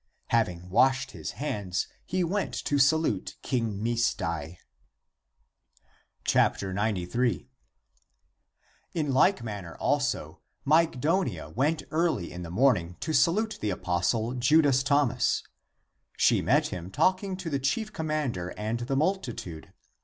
Having washed his hands, he went to salute King Misdai. ACTS OF THOMAS 301 93. In like manner also Mygdonia went early in the morning to salute the apostle Judas Thomas. She met him talking to the chief commander and the multitude.